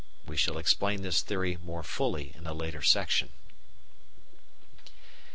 We shall explain this theory more fully in a later section.